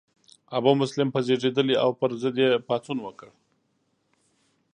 ابومسلم په زیږیدلی او د پر ضد یې پاڅون وکړ.